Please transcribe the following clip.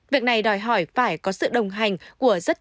việc này đòi hỏi phải có sự đồng hành của rất nhiều